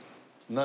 何？